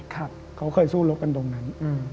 เขาเคยสู้รบกันตรงนั้น